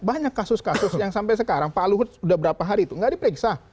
banyak kasus kasus yang sampai sekarang pak luhut sudah berapa hari itu nggak diperiksa